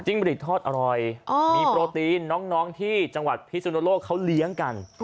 บริกทอดอร่อยมีโปรตีนน้องที่จังหวัดพิสุนโลกเขาเลี้ยงกัน